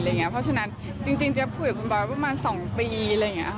เพราะฉะนั้นจริงจะคุยกับคุณบ๊ายประมาณ๒ปี